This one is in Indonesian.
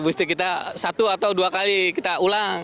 booster kita satu atau dua kali kita ulang